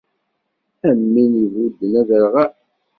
Am win ibudden aderɣal.